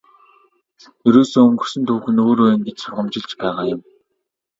Ерөөсөө өнгөрсөн түүх нь өөрөө ингэж сургамжилж байгаа юм.